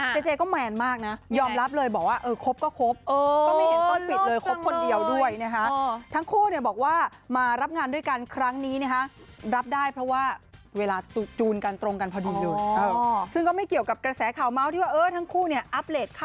เจเจก็แมนมากนะยอมรับเลยบอกว่าเออครบก็ครบ